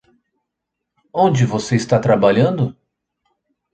Onde você está trabalhando?